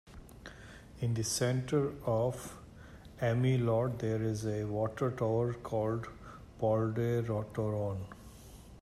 In the center of Emmeloord there is a watertower called the Poldertoren.